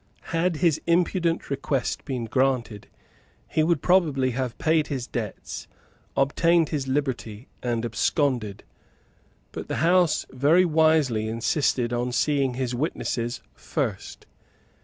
Had his impudent request been granted, he would probably have paid his debts, obtained his liberty, and absconded; but the House very wisely insisted on seeing his witnesses first.